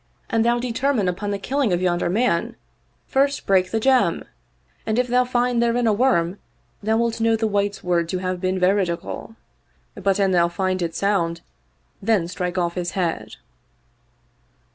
An thou determine upon the killing of yonder man, first break the gem and, if thou find therein a worm, thou wilt know the wight's word to have been veridical ; but an thou find it sound then strike off his head."